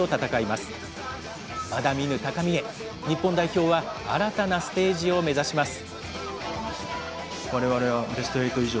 まだ見ぬ高みへ、日本代表は新たなステージを目指します。